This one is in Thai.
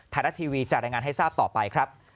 ไทยรัฐทีวีจะรายงานให้ทราบต่อไปครับ